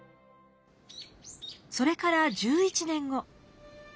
それから１１年後。